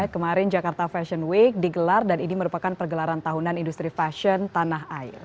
kemarin jakarta fashion week digelar dan ini merupakan pergelaran tahunan industri fashion tanah air